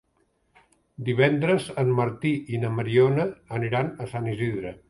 Divendres en Martí i na Mariona aniran a Sant Isidre.